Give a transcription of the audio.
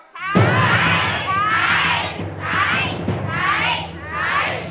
ใช้